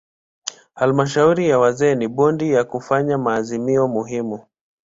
Halmashauri ya wazee ni bodi ya kufanya maazimio muhimu.